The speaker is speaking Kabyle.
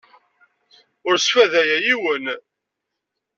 Ur sfadayeɣ yiwen.